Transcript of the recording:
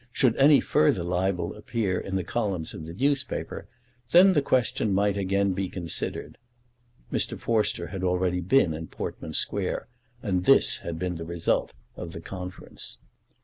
Should any further libel appear in the columns of the newspaper, then the question might be again considered. Mr. Forster had already been in Portman Square, and this had been the result of the conference.